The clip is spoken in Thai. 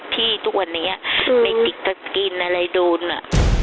ที่ทุกวันนี้ไม่ติดกับกินอะไรโดนอะ